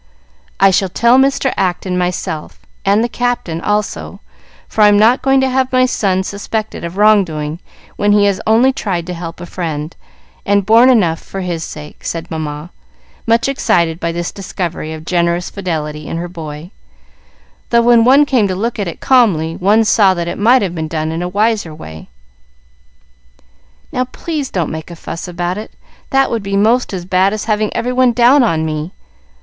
"I shall tell Mr. Acton myself, and the Captain, also, for I'm not going to have my son suspected of wrong doing when he has only tried to help a friend, and borne enough for his sake," said Mamma, much excited by this discovery of generous fidelity in her boy; though when one came to look at it calmly, one saw that it might have been done in a wiser way. "Now, please, don't make a fuss about it; that would be most as bad as having every one down on me.